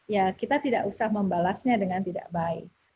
ya kita tidak usah membalasnya dengan tidak baik